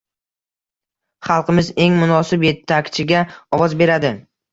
Xalqimiz eng munosib yetakchiga ovoz beradi